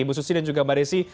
ibu susi dan juga mbak desi